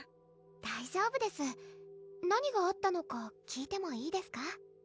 大丈夫です何があったのか聞いてもいいですか？